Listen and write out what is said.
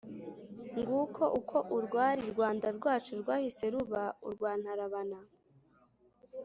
nguko uko urwari rwanda-rwacu rwahise ruba urwa ntarabana